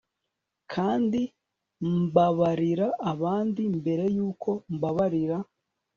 kandi mbabarira abandi mbere yuko mbabarira